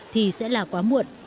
thì sẽ là quá muộn